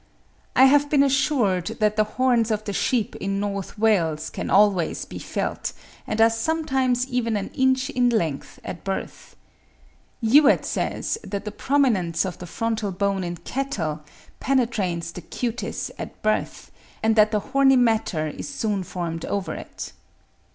I have been assured that the horns of the sheep in North Wales can always be felt, and are sometimes even an inch in length, at birth. Youatt says ('Cattle,' 1834, p. 277), that the prominence of the frontal bone in cattle penetrates the cutis at birth, and that the horny matter is soon formed over it.)